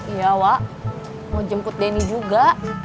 iya wak mau jemput denny juga